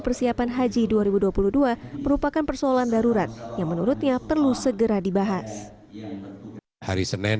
persiapan haji dua ribu dua puluh dua merupakan persoalan darurat yang menurutnya perlu segera dibahas hari senin